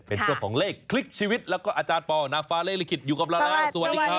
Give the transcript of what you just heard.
เป็นช่วงของเลขคลิกชีวิตแล้วก็อาจารย์ปอลนางฟ้าเลขลิขิตอยู่กับเราแล้วสวัสดีครับ